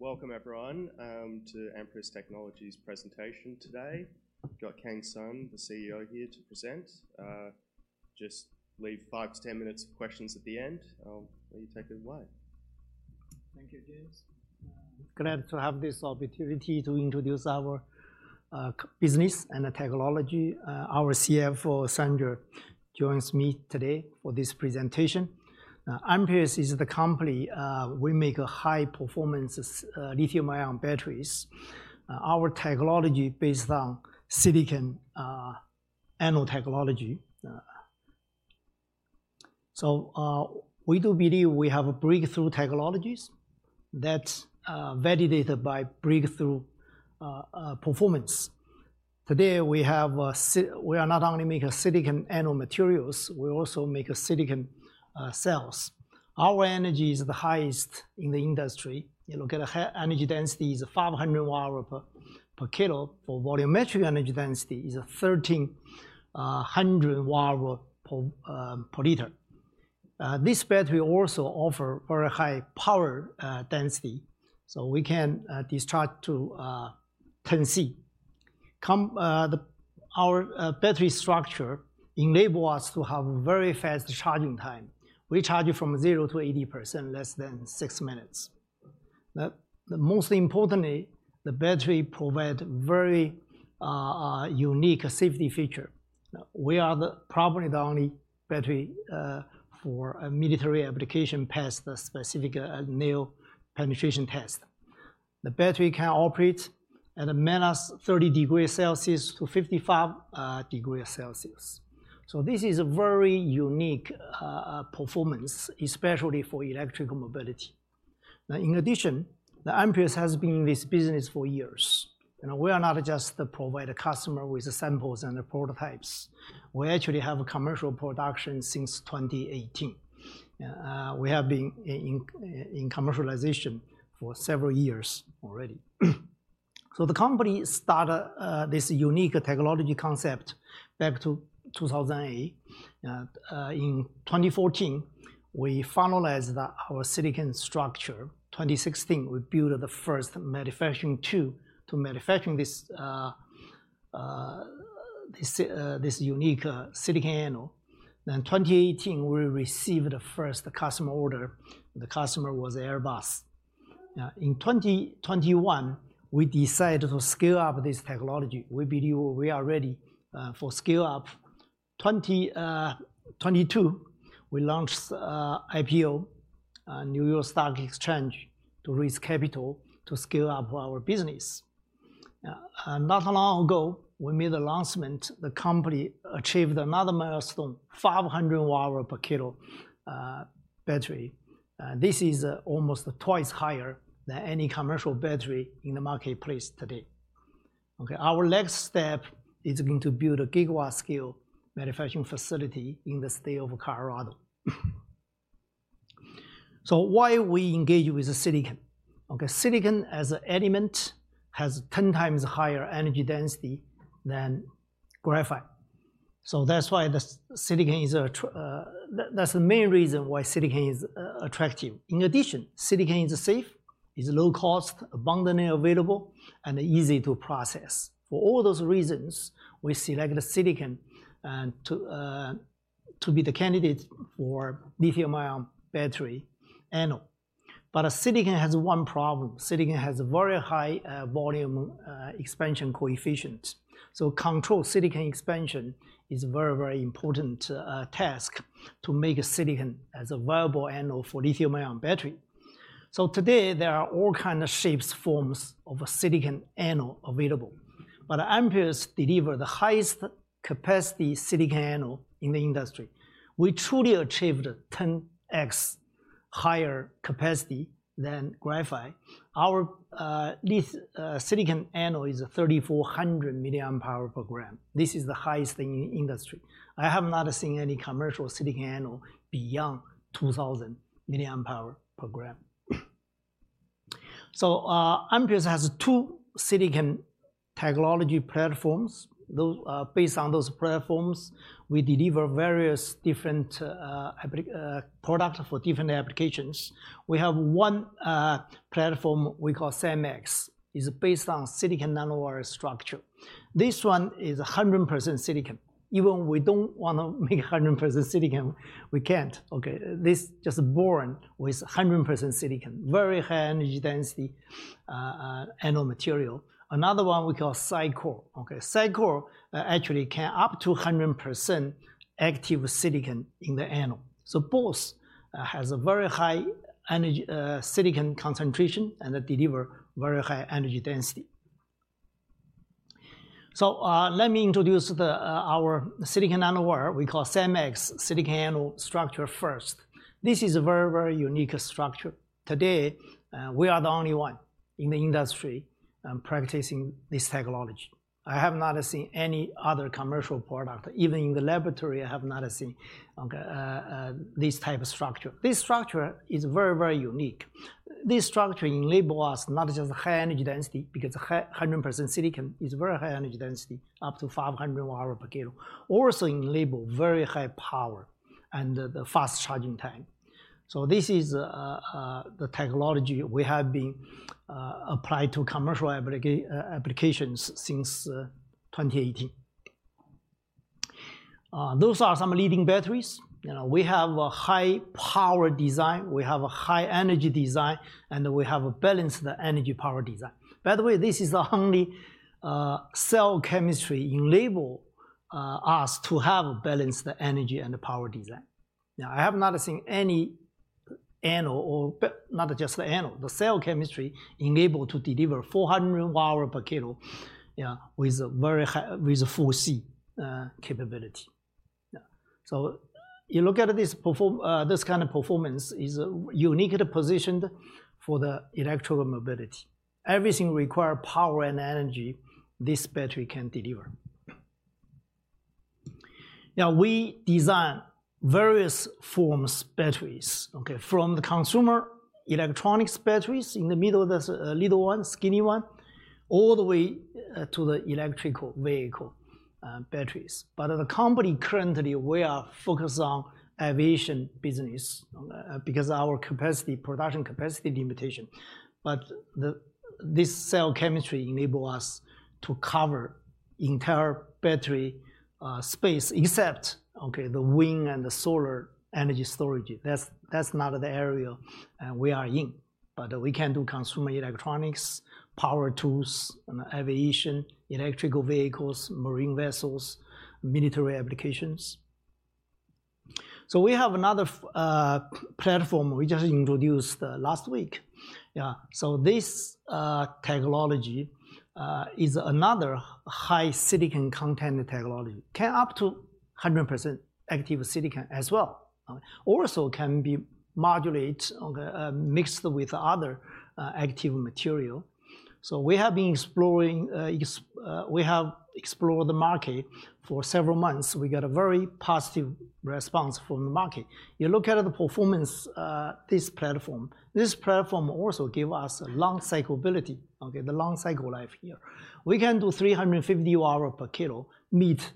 Welcome everyone, to Amprius Technologies Presentation today. We've got Kang Sun, the CEO here to present. Just leave five-10 minutes of questions at the end. Will you take it away? Thank you, James. Glad to have this opportunity to introduce our business and technology. Our CFO, Sandra, joins me today for this presentation. Amprius is the company, we make high performance lithium-ion batteries. Our technology based on silicon anode technology. So, we do believe we have a breakthrough technologies that validated by breakthrough performance. Today, we are not only making silicon anode materials, we also make silicon cells. Our energy is the highest in the industry. You look at the high energy density is 500 Wh/kg, for volumetric energy density is 1,300 Wh/L. This battery also offer very high power density, so we can discharge to 10 C. Come, the... Our battery structure enable us to have very fast charging time. We charge from 0%-80% in less than 6 minutes. Now, most importantly, the battery provide very unique safety feature. We are probably the only battery for a military application passed the specific nail penetration test. The battery can operate at a -30 °C to 55 °C. So this is a very unique performance, especially for electrical mobility. Now, in addition, the Amprius has been in this business for years, and we are not just to provide a customer with samples and prototypes. We actually have a commercial production since 2018. We have been in commercialization for several years already. So the company started this unique technology concept back to 2008. In 2014, we finalized our silicon structure. In 2016, we built the first manufacturing tool to manufacturing this unique silicon anode. Then in 2018, we received the first customer order. The customer was Airbus. In 2021, we decided to scale up this technology. We believe we are ready for scale up. In 2022, we launched IPO New York Stock Exchange to raise capital to scale up our business. Not long ago, we made the announcement, the company achieved another milestone, 500 Wh/kg battery. This is almost twice higher than any commercial battery in the marketplace today. Okay, our next step is going to build a gigawatt-scale manufacturing facility in the state of Colorado. So why we engage with the silicon? Okay, silicon as an element has 10 times higher energy density than graphite. So that's why silicon is attractive. That's the main reason why silicon is attractive. In addition, silicon is safe, is low cost, abundantly available, and easy to process. For all those reasons, we selected silicon to be the candidate for lithium-ion battery anode. But silicon has one problem. Silicon has a very high volume expansion coefficient. So controlled silicon expansion is a very, very important task to make silicon as a viable anode for lithium-ion battery. So today there are all kinds of shapes, forms of a silicon anode available, but Amprius deliver the highest capacity silicon anode in the industry. We truly achieved 10x higher capacity than graphite. Our this silicon anode is 3,400 milliamp hour per gram. This is the highest in the industry. I have not seen any commercial silicon anode beyond 2000 milliamp hour per gram. So, Amprius has two silicon technology platforms. Based on those platforms, we deliver various different products for different applications. We have one platform we call SiMaxx. It's based on silicon nanowire structure. This one is 100% silicon. Even we don't want to make 100% silicon, we can't. Okay, this just born with 100% silicon, very high energy density anode material. Another one we call SiCore. Okay, SiCore actually can up to 100% active silicon in the anode. So both has a very high energy silicon concentration and deliver very high energy density. So, let me introduce our silicon nanowire, we call SiMaxx silicon anode structure first. This is a very, very unique structure. Today, we are the only one in the industry practicing this technology. I have not seen any other commercial product, even in the laboratory. I have not seen this type of structure. This structure is very, very unique. This structure enable us not just high energy density, because 100% silicon is very high energy density, up to 500 Wh/kg. Also enable very high power and the fast charging time. So this is the technology we have been applied to commercial applications since 2018. Those are some leading batteries. You know, we have a high power design, we have a high energy design, and we have a balanced energy power design. By the way, this is the only cell chemistry enable us to have a balanced energy and power design. Now, I have not seen any anode or, not just the anode, the cell chemistry enabled to deliver 400 Wh/kg, yeah, with a very high, with a full C capability. Yeah. So you look at this kind of performance is uniquely positioned for the electrical mobility. Everything require power and energy, this battery can deliver. Now, we design various forms batteries, okay? From the consumer electronics batteries, in the middle, there's a little one, skinny one, all the way to the electrical vehicle batteries. But as a company, currently we are focused on aviation business because our capacity, production capacity limitation. But this cell chemistry enable us to cover entire battery space, except the wind and the solar energy storage. That's, that's not the area we are in, but we can do consumer electronics, power tools, and aviation, electric vehicles, marine vessels, military applications. So we have another platform we just introduced last week. So this technology is another high silicon content technology. Can up to 100% active silicon as well, also can be modulate, mixed with other active material. So we have been exploring, we have explored the market for several months. We got a very positive response from the market. You look at the performance, this platform, this platform also give us a long cycle ability. The long cycle life here. We can do 350 Wh/kg, meet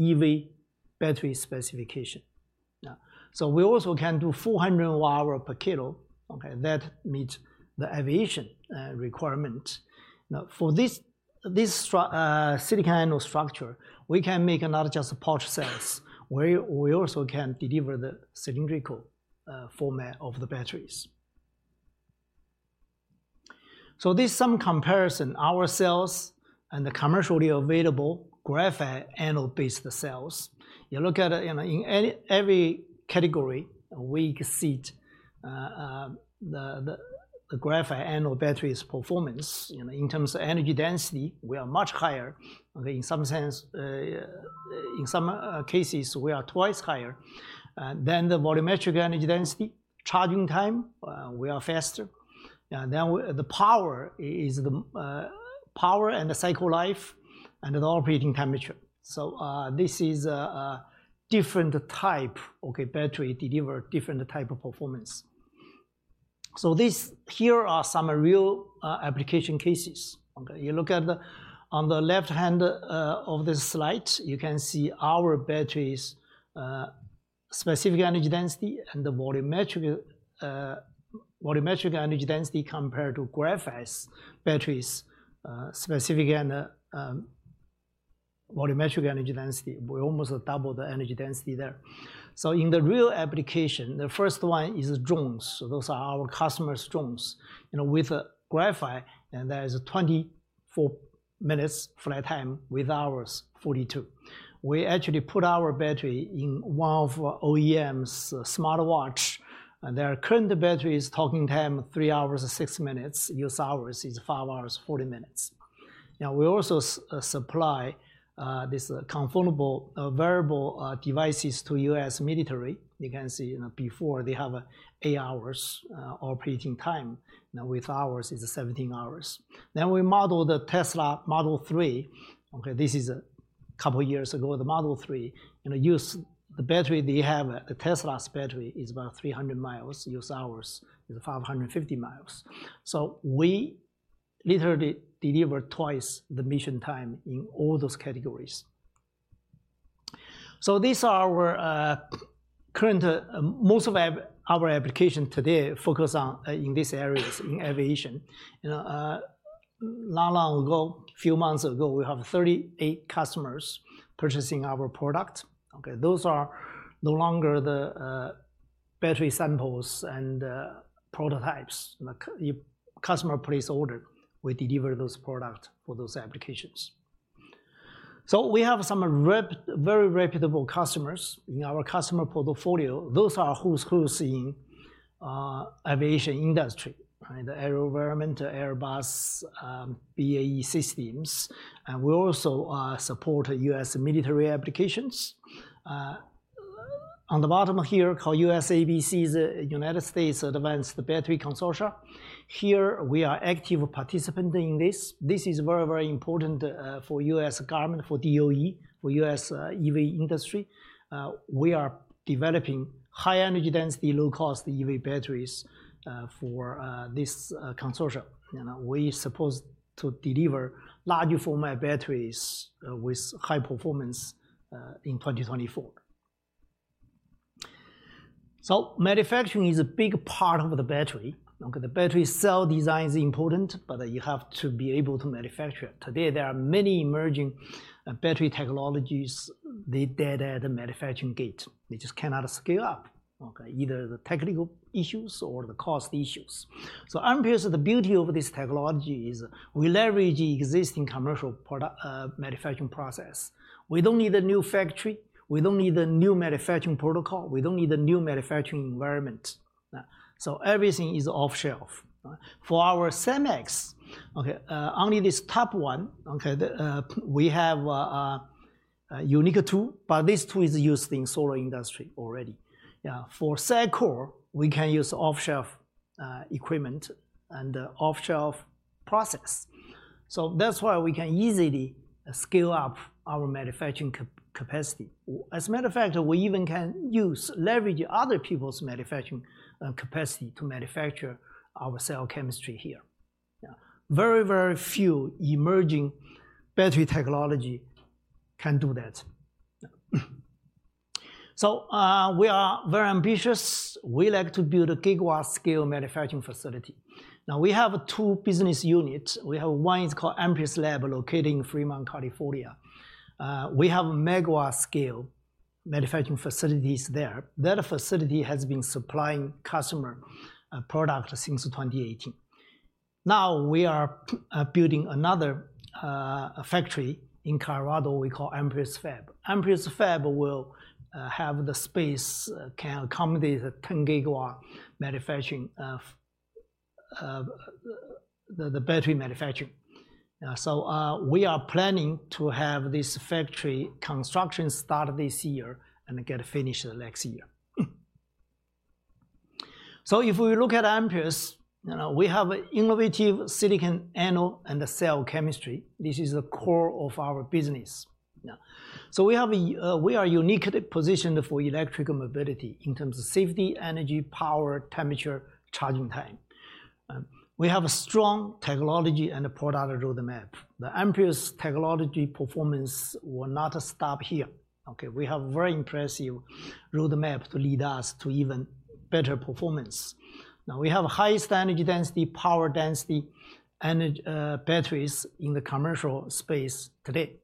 EV battery specification. Yeah. So we also can do 400 watt-hour per kilo, okay, that meet the aviation requirement. Now, for this, this silicon anode structure, we can make not just pouch cells, we also can deliver the cylindrical format of the batteries. So this some comparison, our cells and the commercially available graphite anode-based cells. You look at, you know, in any, every category, we exceed the graphite anode battery's performance. You know, in terms of energy density, we are much higher. In some sense, in some cases, we are twice higher. Then the volumetric energy density, charging time, we are faster. Then the power and the cycle life and the operating temperature. So, this is a different type, okay, battery deliver different type of performance. So this here are some real application cases. Okay, you look at the... On the left hand of this slide, you can see our battery's specific energy density and the volumetric volumetric energy density compared to graphite's battery's specific and volumetric energy density. We almost double the energy density there. So in the real application, the first one is drones. Those are our customers' drones. You know, with graphite, and there is a 24 minutes flight time, with ours, 42. We actually put our battery in one of OEM's smartwatch, and their current battery is talking time, three hours and six minutes, use hours is five hours, 40 minutes. Now, we also supply this convertible wearable devices to U.S. military. You can see, you know, before they have 8 hours operating time. Now, with ours, it's 17 hours. Then we model the Tesla Model 3. Okay, this is a couple years ago, the Model 3, you know, use the battery they have, the Tesla's battery is about 300 miles, use hours is 550 miles. So we literally deliver twice the mission time in all those categories. So these are our current, most of our, our application today focus on, in these areas, in aviation. You know, not long ago, few months ago, we have 38 customers purchasing our product. Okay, those are no longer the battery samples and prototypes. The customer place order, we deliver those product for those applications. So we have some very reputable customers in our customer portfolio. Those are who's who in aviation industry, right? The AeroVironment, Airbus, BAE Systems, and we also support U.S. military applications. On the bottom here, called USABC, the United States Advanced Battery Consortium. Here, we are active participant in this. This is very, very important for U.S. government, for DOE, for U.S. EV industry. We are developing high energy density, low cost EV batteries for this consortium. You know, we supposed to deliver large format batteries with high performance in 2024. So manufacturing is a big part of the battery, okay? The battery cell design is important, but you have to be able to manufacture it. Today, there are many emerging battery technologies. They die at the manufacturing gate. They just cannot scale up, okay? Either the technical issues or the cost issues. So Amprius, the beauty of this technology is we leverage the existing commercial product manufacturing process. We don't need a new factory, we don't need a new manufacturing protocol, we don't need a new manufacturing environment. So everything is off-the-shelf. For our SiMaxx, only this top one, we have a unique tool, but this tool is used in the solar industry already. For SiCore, we can use off-the-shelf equipment and off-the-shelf process. So that's why we can easily scale up our manufacturing capacity. As a matter of fact, we even can use leverage other people's manufacturing capacity to manufacture our cell chemistry here. Yeah. Very, very few emerging battery technology can do that. So, we are very ambitious. We like to build a gigawatt-scale manufacturing facility. Now, we have two business units. We have one is called Amprius Lab, located in Fremont, California. We have a megawatt-scale manufacturing facilities there. That facility has been supplying customer product since 2018. Now we are building another factory in Colorado, we call Amprius Fab. Amprius Fab will have the space can accommodate the 10 GW manufacturing of the battery manufacturing. So we are planning to have this factory construction start this year and get finished next year. So if we look at Amprius, you know, we have an innovative silicon anode and the cell chemistry. This is the core of our business. Yeah. So we have a we are uniquely positioned for electric mobility in terms of safety, energy, power, temperature, charging time. We have a strong technology and a product roadmap. The Amprius technology performance will not stop here, okay? We have very impressive roadmap to lead us to even better performance. Now, we have highest energy density, power density, energy batteries in the commercial space today.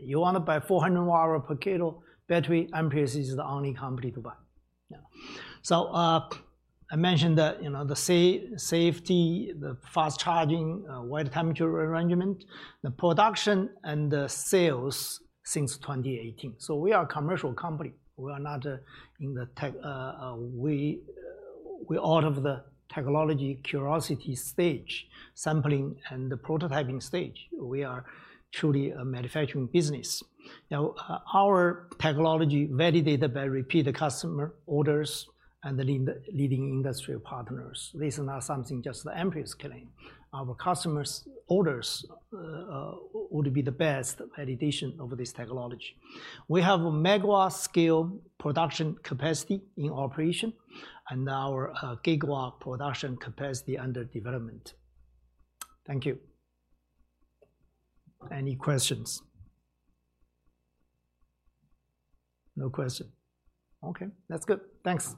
You want to buy 400 watt hour per kilo battery, Amprius is the only company to buy. Yeah. So, I mentioned that, you know, the safety, the fast charging, wide temperature arrangement, the production and the sales since 2018. So we are a commercial company. We are not in the tech. We, we out of the technology curiosity stage, sampling and the prototyping stage. We are truly a manufacturing business. Now, our technology validated by repeated customer orders and the leading industry partners. This is not something just the Amprius claim. Our customers' orders would be the best validation of this technology. We have a megawatt-scale production capacity in operation, and our gigawatt production capacity under development. Thank you. Any questions? No question. Okay, that's good. Thanks.